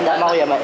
enggak mau ya mbak